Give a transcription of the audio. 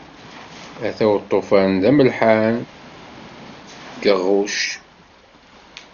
Ata uṭufan i d amellḥan. Geɣɣuc!